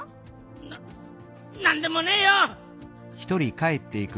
ななんでもねえよ！